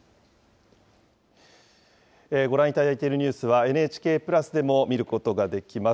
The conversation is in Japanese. ご覧いただいているニュースはＮＨＫプラスでも見ることができます。